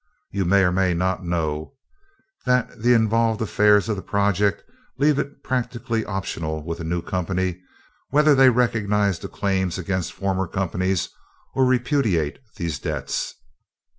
"You may, or may not know, that the involved affairs of the project leave it practically optional with a new company whether they recognize the claims against former companies or repudiate these debts.